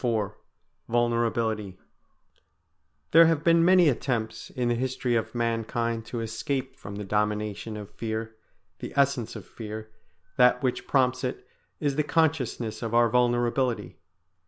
IV VULNERABILITY There have been many attempts in the history of mankind to escape from the dominion of fear; the essence of fear, that which prompts it, is the consciousness of our vulnerability.